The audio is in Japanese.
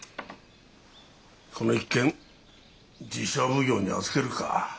この一件寺社奉行に預けるか。